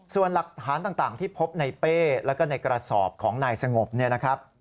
ส่วนหลักฐานต่างที่พบในเป้แล้วก็ในกระสอบของนายสงบเนี่ยนะครับ